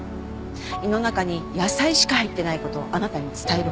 胃の中に野菜しか入ってない事をあなたに伝える方法。